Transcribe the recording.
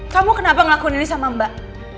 kamu kenapa ngelakuin ini sama mbak